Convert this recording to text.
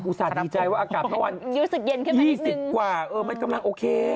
อุตส่าห์ดีใจว่าอากาศกละวัน๒๐กว่าไม่กำลังโอเค